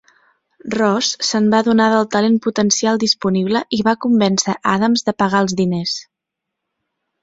Ross se'n va adonar del talent potencial disponible i va convèncer Adams de pagar els diners.